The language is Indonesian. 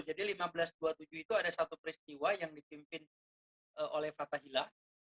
jadi seribu lima ratus dua puluh tujuh itu ada satu peristiwa yang dipimpin oleh fatahila